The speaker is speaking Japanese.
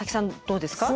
どうですか？